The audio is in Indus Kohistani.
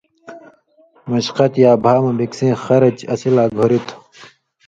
مُشقَت یا بھا مہ بِکسیں خرچ اسی لا گُھریۡ تھُو